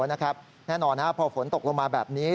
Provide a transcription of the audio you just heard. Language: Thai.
แน่นอนพอฝนตกลงมาแบบนี้